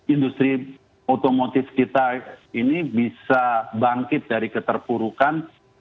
industri otomotif kita ini bisa bangkit dari keterpurukan